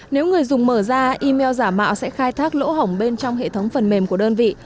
nếu người dùng mở ra email giả mạo sẽ khai thác lỗ hỏng bên trong hệ thống phần mềm của đơn vị